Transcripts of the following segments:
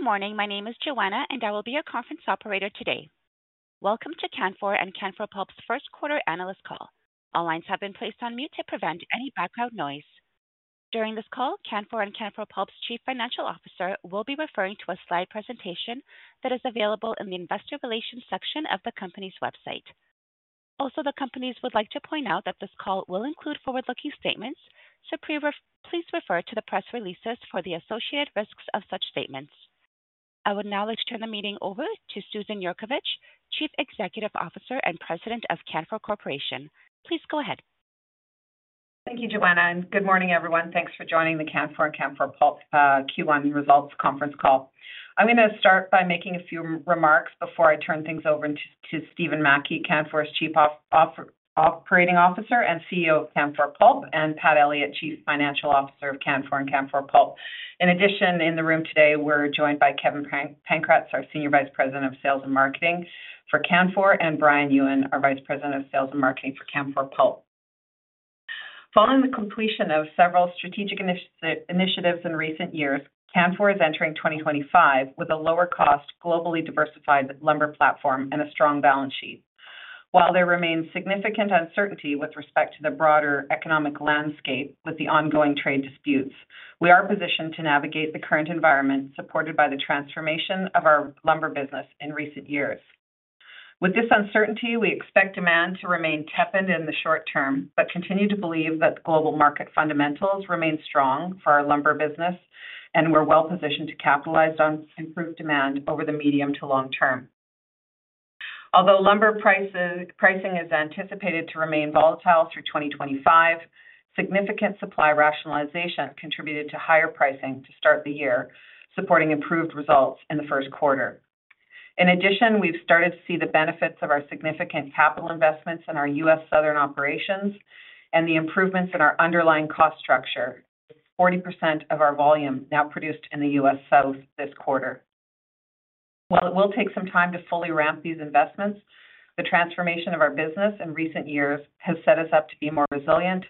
Good morning. My name is Joanna, and I will be your conference operator today. Welcome to Canfor and Canfor Pulp's first quarter analyst call. All lines have been placed on mute to prevent any background noise. During this call, Canfor and Canfor Pulp's Chief Financial Officer will be referring to a slide presentation that is available in the Investor Relations section of the company's website. Also, the companies would like to point out that this call will include forward-looking statements, so please refer to the press releases for the associated risks of such statements. I would now like to turn the meeting over to Susan Yurkovich, Chief Executive Officer and President of Canfor Corporation. Please go ahead. Thank you, Joanna, and good morning, everyone. Thanks for joining the Canfor and Canfor Pulp Q1 results conference call. I'm going to start by making a few remarks before I turn things over to Stephen Mackie, Canfor's Chief Operating Officer and CEO of Canfor Pulp, and Pat Elliott, Chief Financial Officer of Canfor and Canfor Pulp. In addition, in the room today, we're joined by Kevin Pankratz, our Senior Vice President of Sales and Marketing for Canfor, and Brian Yuen, our Vice President of Sales and Marketing for Canfor Pulp. Following the completion of several strategic initiatives in recent years, Canfor is entering 2025 with a lower-cost, globally diversified lumber platform and a strong balance sheet. While there remains significant uncertainty with respect to the broader economic landscape with the ongoing trade disputes, we are positioned to navigate the current environment supported by the transformation of our lumber business in recent years. With this uncertainty, we expect demand to remain tepid in the short term, but continue to believe that global market fundamentals remain strong for our lumber business, and we're well positioned to capitalize on improved demand over the medium to long term. Although lumber pricing is anticipated to remain volatile through 2025, significant supply rationalization contributed to higher pricing to start the year, supporting improved results in the first quarter. In addition, we've started to see the benefits of our significant capital investments in our U.S. Southern operations and the improvements in our underlying cost structure, with 40% of our volume now produced in the U.S. South this quarter. While it will take some time to fully ramp these investments, the transformation of our business in recent years has set us up to be more resilient,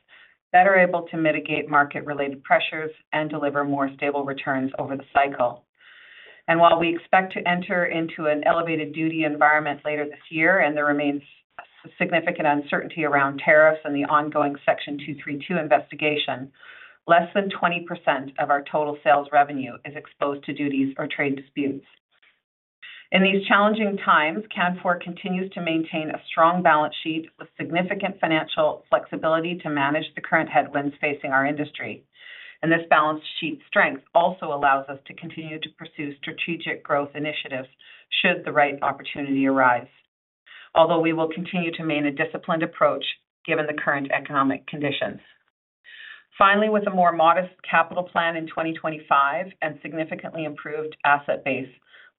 better able to mitigate market-related pressures, and deliver more stable returns over the cycle. While we expect to enter into an elevated duty environment later this year, and there remains significant uncertainty around tariffs and the ongoing Section 232 investigation, less than 20% of our total sales revenue is exposed to duties or trade disputes. In these challenging times, Canfor Pulp continues to maintain a strong balance sheet with significant financial flexibility to manage the current headwinds facing our industry. This balance sheet strength also allows us to continue to pursue strategic growth initiatives should the right opportunity arise, although we will continue to maintain a disciplined approach given the current economic conditions. Finally, with a more modest capital plan in 2025 and significantly improved asset base,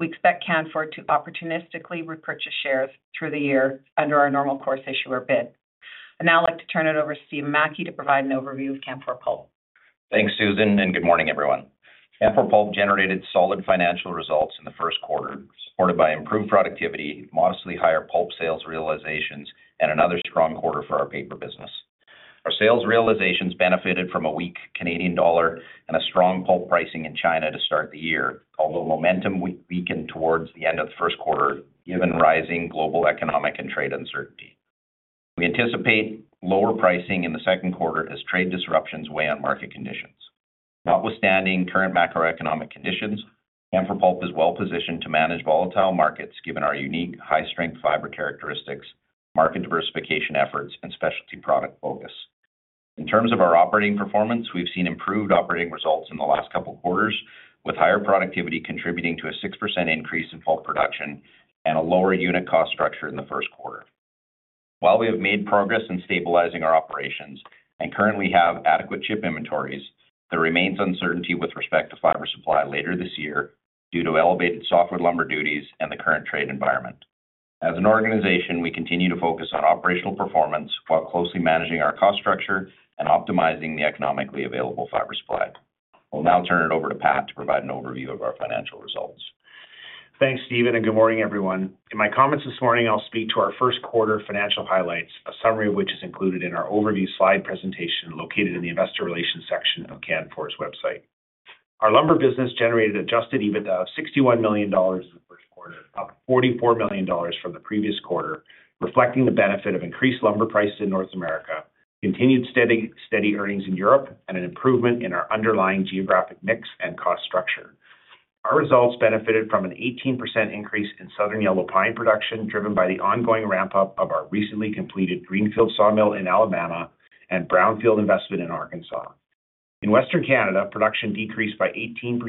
we expect Canfor to opportunistically repurchase shares through the year under our normal course issuer bid. I would now like to turn it over to Stephen Mackie to provide an overview of Canfor Pulp. Thanks, Susan, and good morning, everyone. Canfor Pulp generated solid financial results in the first quarter, supported by improved productivity, modestly higher pulp sales realizations, and another strong quarter for our paper business. Our sales realizations benefited from a weak Canadian dollar and strong pulp pricing in China to start the year, although momentum weakened towards the end of the first quarter given rising global economic and trade uncertainty. We anticipate lower pricing in the second quarter as trade disruptions weigh on market conditions. Notwithstanding current macroeconomic conditions, Canfor Pulp is well positioned to manage volatile markets given our unique high-strength fiber characteristics, market diversification efforts, and specialty product focus. In terms of our operating performance, we have seen improved operating results in the last couple of quarters, with higher productivity contributing to a 6% increase in pulp production and a lower unit cost structure in the first quarter. While we have made progress in stabilizing our operations and currently have adequate chip inventories, there remains uncertainty with respect to fiber supply later this year due to elevated softwood lumber duties and the current trade environment. As an organization, we continue to focus on operational performance while closely managing our cost structure and optimizing the economically available fiber supply. I'll now turn it over to Pat to provide an overview of our financial results. Thanks, Stephen, and good morning, everyone. In my comments this morning, I'll speak to our first quarter financial highlights, a summary of which is included in our overview slide presentation located in the Investor Relations section of Canfor Pulp's website. Our lumber business generated adjusted EBITDA of $61 million in the first quarter, up $44 million from the previous quarter, reflecting the benefit of increased lumber prices in North America, continued steady earnings in Europe, and an improvement in our underlying geographic mix and cost structure. Our results benefited from an 18% increase in Southern Yellow Pine production driven by the ongoing ramp-up of our recently completed lumber and brownfield investment in Arkansas. In Western Canada, production decreased by 18%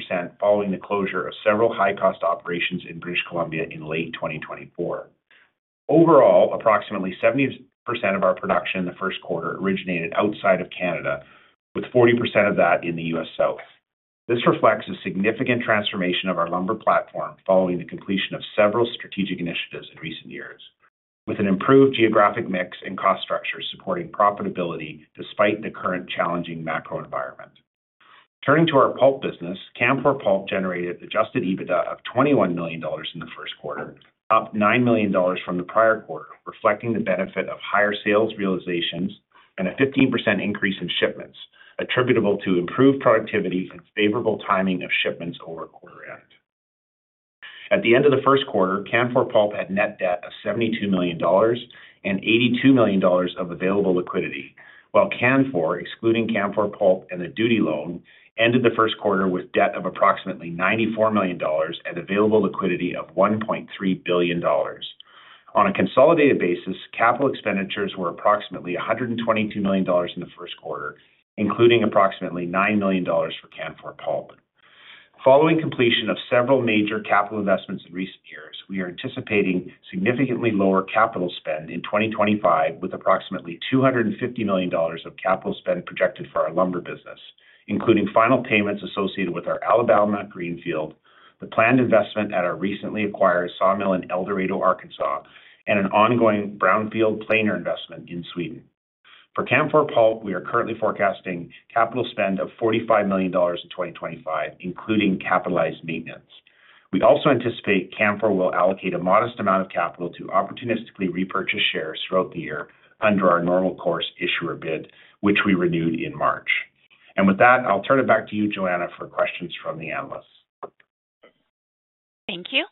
following the closure of several high-cost operations in British Columbia in late 2024. Overall, approximately 70% of our production in the first quarter originated outside of Canada, with 40% of that in the U.S. South. This reflects a significant transformation of our lumber platform following the completion of several strategic initiatives in recent years, with an improved geographic mix and cost structure supporting profitability despite the current challenging macro environment. Turning to our pulp business, Canfor Pulp generated adjusted EBITDA of $21 million in the first quarter, up $9 million from the prior quarter, reflecting the benefit of higher sales realizations and a 15% increase in shipments attributable to improved productivity and favorable timing of shipments over quarter end. At the end of the first quarter, Canfor Pulp had net debt of $72 million and $82 million of available liquidity, while Canfor, excluding Canfor Pulp and the duty loan, ended the first quarter with debt of approximately $94 million and available liquidity of $1.3 billion. On a consolidated basis, capital expenditures were approximately $122 million in the first quarter, including approximately $9 million for Canfor Pulp. Following completion of several major capital investments in recent years, we are anticipating significantly lower capital spend in 2025, with approximately $250 million of capital spend projected for our lumber business, including final payments associated with our Alabama Greenfield, the planned investment at our recently acquired sawmill in El Dorado, Arkansas, and an ongoing brownfield planer investment in Sweden. For Canfor Pulp, we are currently forecasting capital spend of $45 million in 2025, including capitalized maintenance. We also anticipate Canfor Pulp will allocate a modest amount of capital to opportunistically repurchase shares throughout the year under our normal course issuer bid, which we renewed in March. With that, I'll turn it back to you, Joanna, for questions from the analysts. Thank you.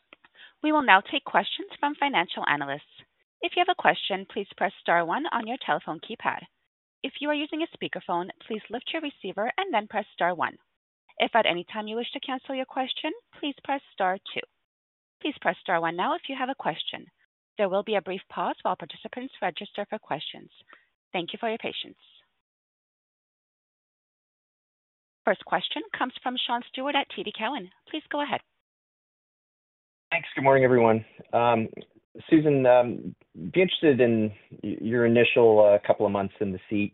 We will now take questions from financial analysts. If you have a question, please press star one on your telephone keypad. If you are using a speakerphone, please lift your receiver and then press star one. If at any time you wish to cancel your question, please press star two. Please press star one now if you have a question. There will be a brief pause while participants register for questions. Thank you for your patience. Our first question comes from Sean Steuart at TD Cowen. Please go ahead. Thanks. Good morning, everyone. Susan, be interested in your initial couple of months in the seat,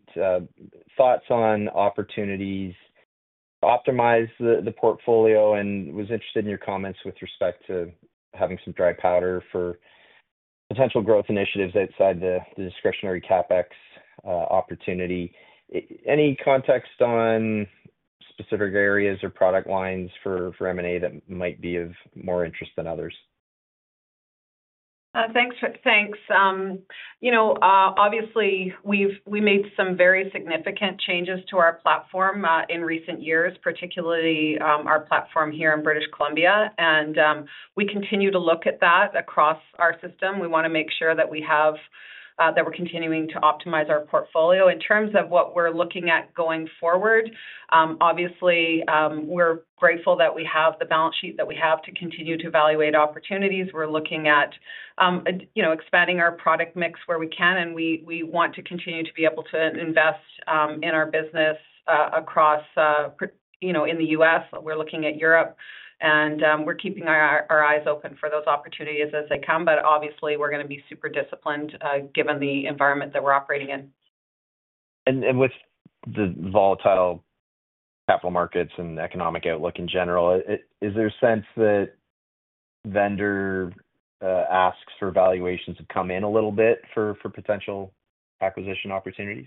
thoughts on opportunities to optimize the portfolio, and was interested in your comments with respect to having some dry powder for potential growth initiatives outside the discretionary CapEx opportunity. Any context on specific areas or product lines for M&A that might be of more interest than others? Thanks. Obviously, we made some very significant changes to our platform in recent years, particularly our platform here in British Columbia. We continue to look at that across our system. We want to make sure that we are continuing to optimize our portfolio. In terms of what we are looking at going forward, obviously, we are grateful that we have the balance sheet that we have to continue to evaluate opportunities. We are looking at expanding our product mix where we can, and we want to continue to be able to invest in our business across in the U.S. We are looking at Europe, and we are keeping our eyes open for those opportunities as they come. Obviously, we are going to be super disciplined given the environment that we are operating in. With the volatile capital markets and economic outlook in general, is there a sense that vendor asks for valuations have come in a little bit for potential acquisition opportunities?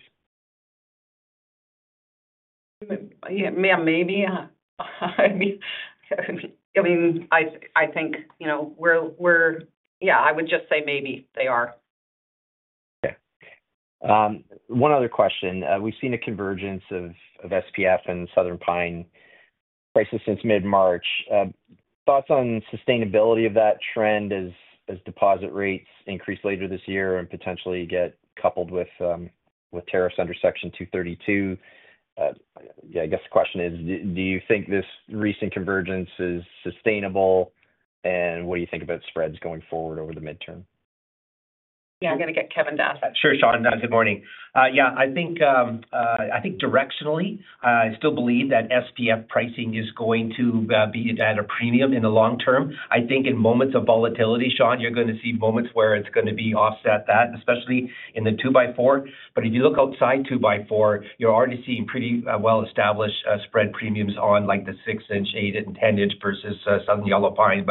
Yeah, maybe. I mean, I think we're, yeah, I would just say maybe they are. Okay. One other question. We've seen a convergence of SPF and Southern Pine prices since mid-March. Thoughts on sustainability of that trend as deposit rates increase later this year and potentially get coupled with tariffs under Section 232? Yeah, I guess the question is, do you think this recent convergence is sustainable, and what do you think about spreads going forward over the midterm? Yeah, I'm going to get Kevin to ask that. Sure, Sean. Good morning. Yeah, I think directionally, I still believe that SPF pricing is going to be at a premium in the long term. I think in moments of volatility, Sean, you're going to see moments where it's going to be offset that, especially in the 2x4. If you look outside 2x4, you're already seeing pretty well-established spread premiums on like the 6 in, 8 in, and 10 in versus Southern Yellow Pine.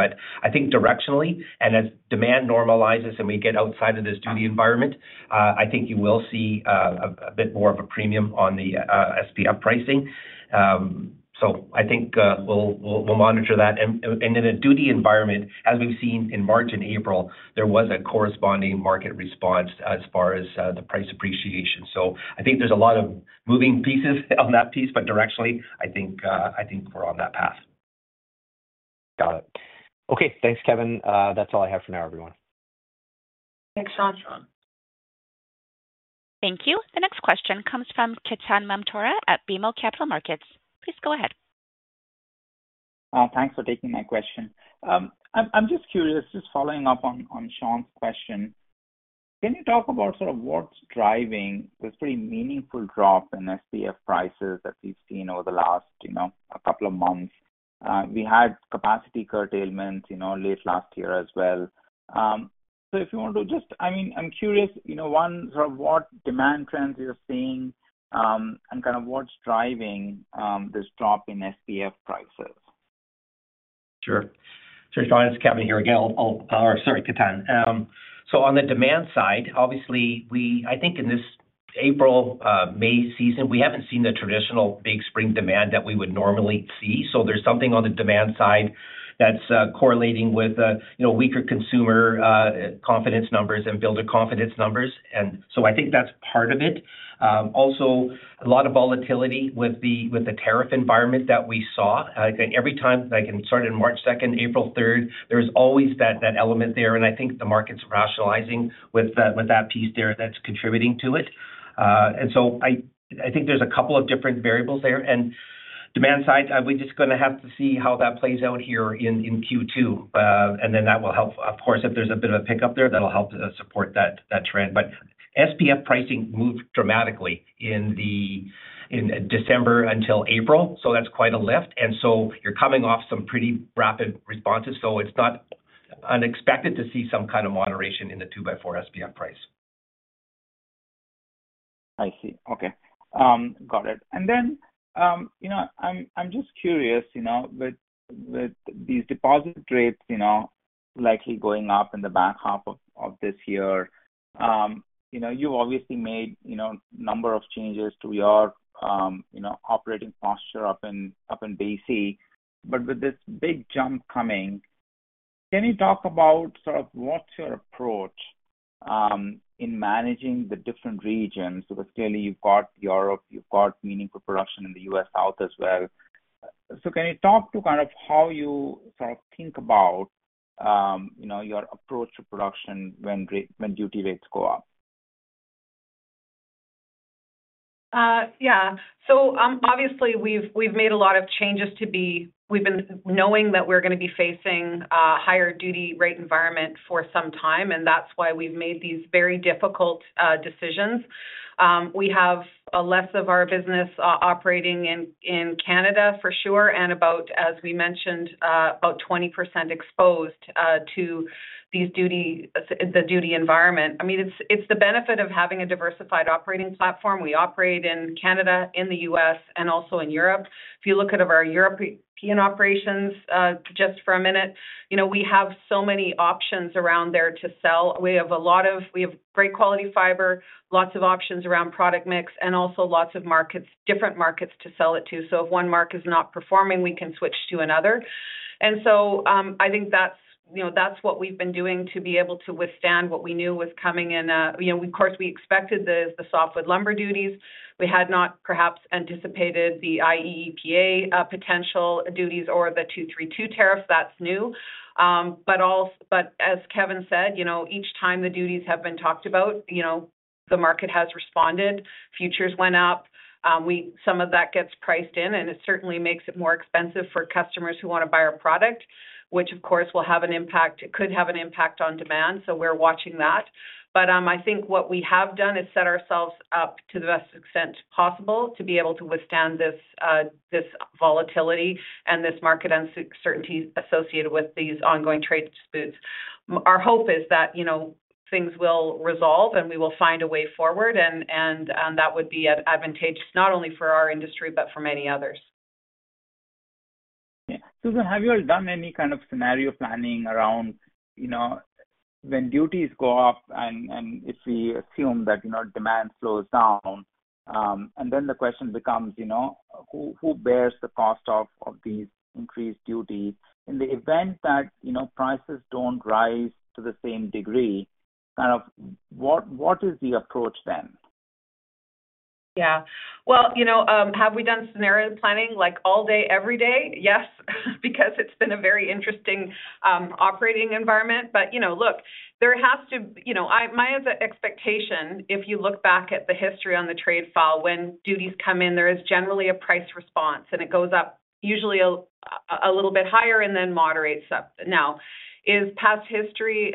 I think directionally, and as demand normalizes and we get outside of this duty environment, I think you will see a bit more of a premium on the SPF pricing. I think we'll monitor that. In a duty environment, as we've seen in March and April, there was a corresponding market response as far as the price appreciation. I think there's a lot of moving pieces on that piece, but directionally, I think we're on that path. Got it. Okay. Thanks, Kevin. That's all I have for now, everyone. Thanks, Sean. Thank you. The next question comes from Ketan Mamtora at BMO Capital Markets. Please go ahead. Thanks for taking my question. I'm just curious, just following up on Sean's question, can you talk about sort of what's driving this pretty meaningful drop in SPF prices that we've seen over the last couple of months? We had capacity curtailment late last year as well. If you want to just, I mean, I'm curious, one, sort of what demand trends you're seeing and kind of what's driving this drop in SPF prices? Sure. Sure. Sean, it is Kevin here again. Or sorry, Ketan. On the demand side, obviously, I think in this April, May season, we have not seen the traditional big spring demand that we would normally see. There is something on the demand side that is correlating with weaker consumer confidence numbers and builder confidence numbers. I think that is part of it. Also, a lot of volatility with the tariff environment that we saw. Every time, like it started on March 2nd, April 3rd, there is always that element there. I think the market is rationalizing with that piece that is contributing to it. I think there are a couple of different variables there. On the demand side, we are just going to have to see how that plays out here in Q2. That will help. Of course, if there's a bit of a pickup there, that'll help support that trend. SPF pricing moved dramatically in December until April. That is quite a lift. You are coming off some pretty rapid responses. It is not unexpected to see some kind of moderation in the 2x4 SPF price. I see. Okay. Got it. I'm just curious, with these deposit rates likely going up in the back half of this year, you've obviously made a number of changes to your operating posture up in BC. With this big jump coming, can you talk about sort of what's your approach in managing the different regions? Clearly, you've got Europe, you've got meaningful production in the U.S. South as well. Can you talk to kind of how you sort of think about your approach to production when duty rates go up? Yeah. So obviously, we've made a lot of changes because we've been knowing that we're going to be facing a higher duty rate environment for some time, and that's why we've made these very difficult decisions. We have less of our business operating in Canada, for sure, and, as we mentioned, about 20% exposed to the duty environment. I mean, it's the benefit of having a diversified operating platform. We operate in Canada, in the U.S., and also in Europe. If you look at our European operations just for a minute, we have so many options around there to sell. We have great quality fiber, lots of options around product mix, and also lots of different markets to sell it to. If one market is not performing, we can switch to another. I think that is what we have been doing to be able to withstand what we knew was coming in. Of course, we expected the softwood lumber duties. We had not perhaps anticipated the IEEPA potential duties or the 232 tariffs. That is new. As Kevin said, each time the duties have been talked about, the market has responded. Futures went up. Some of that gets priced in, and it certainly makes it more expensive for customers who want to buy our product, which, of course, will have an impact. It could have an impact on demand. We are watching that. I think what we have done is set ourselves up to the best extent possible to be able to withstand this volatility and this market uncertainty associated with these ongoing trade disputes. Our hope is that things will resolve and we will find a way forward. That would be advantageous not only for our industry, but for many others. Susan, have you ever done any kind of scenario planning around when duties go up and if we assume that demand slows down? The question becomes, who bears the cost of these increased duties? In the event that prices do not rise to the same degree, kind of what is the approach then? Yeah. Have we done scenario planning like all day, every day? Yes, because it's been a very interesting operating environment. Look, there has, to my expectation, if you look back at the history on the trade fall, when duties come in, there is generally a price response, and it goes up usually a little bit higher and then moderates up. Now, is past history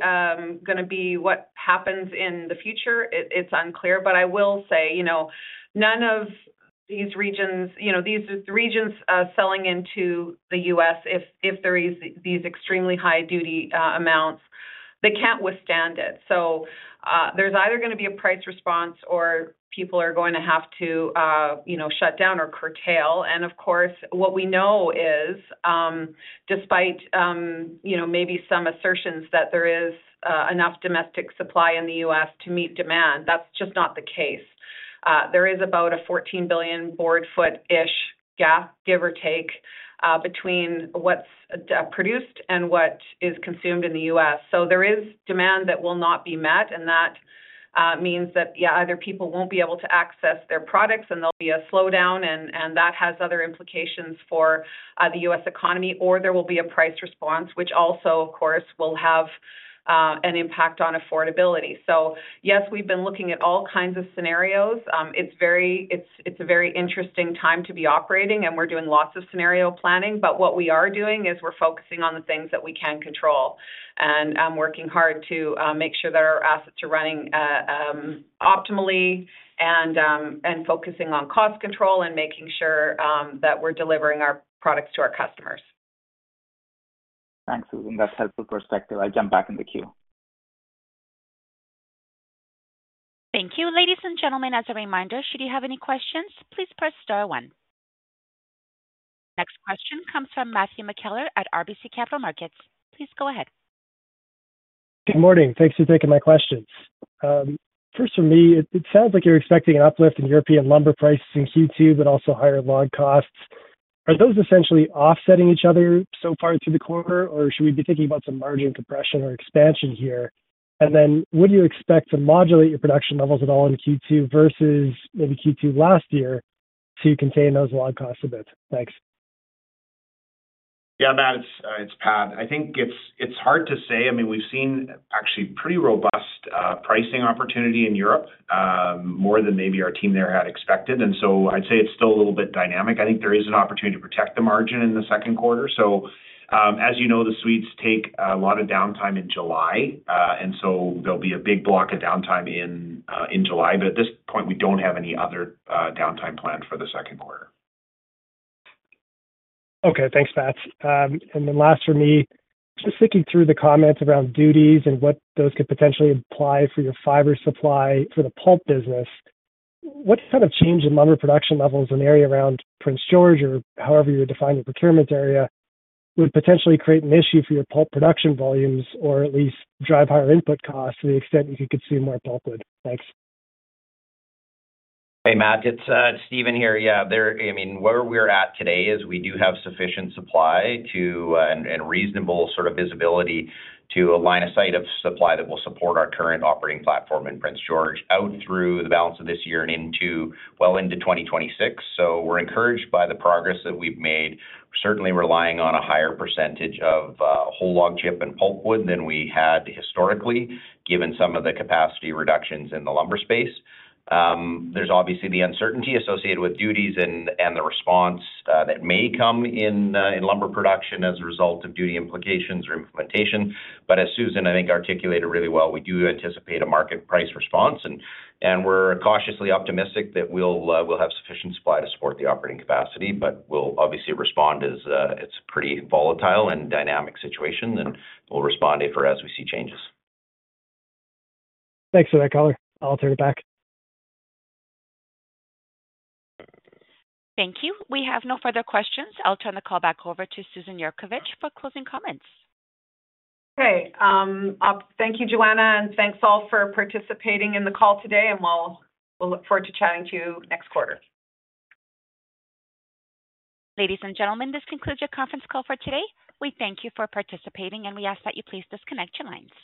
going to be what happens in the future? It's unclear. I will say none of these regions, these regions selling into the U.S., if there are these extremely high duty amounts, they can't withstand it. There is either going to be a price response or people are going to have to shut down or curtail. Of course, what we know is, despite maybe some assertions that there is enough domestic supply in the U.S. to meet demand, that's just not the case. There is about a $14 billion boardfoot-ish gap, give or take, between what is produced and what is consumed in the U.S. So there is demand that will not be met. That means that, yeah, either people will not be able to access their products and there will be a slowdown, and that has other implications for the U.S. economy, or there will be a price response, which also, of course, will have an impact on affordability. Yes, we have been looking at all kinds of scenarios. It is a very interesting time to be operating, and we are doing lots of scenario planning. What we are doing is we are focusing on the things that we can control and working hard to make sure that our assets are running optimally and focusing on cost control and making sure that we are delivering our products to our customers. Thanks, Susan. That's helpful perspective. I'll jump back in the queue. Thank you. Ladies and gentlemen, as a reminder, should you have any questions, please press star one. Next question comes from Matthew McKellar at RBC Capital Markets. Please go ahead. Good morning. Thanks for taking my questions. First, for me, it sounds like you're expecting an uplift in European lumber prices in Q2, but also higher log costs. Are those essentially offsetting each other so far through the quarter, or should we be thinking about some margin compression or expansion here? Would you expect to modulate your production levels at all in Q2 versus maybe Q2 last year to contain those log costs a bit? Thanks. Yeah, Matt, it's Pat. I think it's hard to say. I mean, we've seen actually pretty robust pricing opportunity in Europe more than maybe our team there had expected. I'd say it's still a little bit dynamic. I think there is an opportunity to protect the margin in the second quarter. As you know, the Swedes take a lot of downtime in July. There'll be a big block of downtime in July. At this point, we don't have any other downtime planned for the second quarter. Okay. Thanks, Pat. Last for me, just thinking through the comments around duties and what those could potentially imply for your fiber supply for the pulp business, what kind of change in lumber production levels in the area around Prince George or however you define your procurement area would potentially create an issue for your pulp production volumes or at least drive higher input costs to the extent you could consume more pulp wood? Thanks. Hey, Matt. It's Stephen here. Yeah. I mean, where we're at today is we do have sufficient supply and reasonable sort of visibility to align a site of supply that will support our current operating platform in Prince George out through the balance of this year and well into 2026. We are encouraged by the progress that we've made, certainly relying on a higher percentage of whole log chip and pulp wood than we had historically, given some of the capacity reductions in the lumber space. There is obviously the uncertainty associated with duties and the response that may come in lumber production as a result of duty implications or implementation. As Susan, I think, articulated really well, we do anticipate a market price response. We are cautiously optimistic that we'll have sufficient supply to support the operating capacity. We'll obviously respond as it's a pretty volatile and dynamic situation, and we'll respond if or as we see changes. Thanks for that, Ketan. I'll turn it back. Thank you. We have no further questions. I'll turn the call back over to Susan Yurkovich for closing comments. Okay. Thank you, Joanna. Thank you all for participating in the call today. We look forward to chatting to you next quarter. Ladies and gentlemen, this concludes your conference call for today. We thank you for participating, and we ask that you please disconnect your lines.